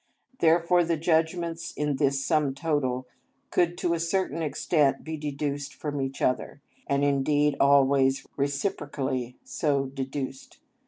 Therefore the judgments in this sum total could to a certain extent be deduced from each other, and indeed always reciprocally so deduced.